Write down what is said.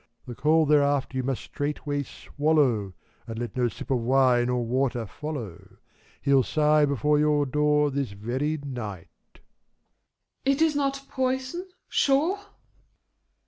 The coal thereafter you must straightway swallow, And let no sip of wine or water follow : Hell sigh before your door this very night. THE LADY. It is not poison, sure?